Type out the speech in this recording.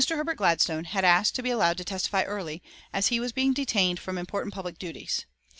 Herbert Gladstone had asked to be allowed to testify early, as he was being detained from important public duties.